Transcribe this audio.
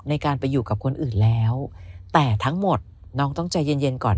ในการไปอยู่กับคนอื่นแล้วแต่ทั้งหมดน้องต้องใจเย็นเย็นก่อน